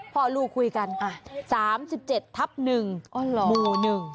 พ่อลูกคุยกัน๓๗ทับ๑หมู่๑